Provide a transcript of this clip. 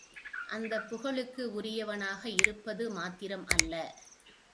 அந்தப் புகழுக்கு உரியவனாக இருப்பது மாத்திரம் அல்ல.